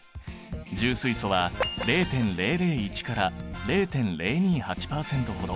重水素は０．００１から０．０２８％ほど。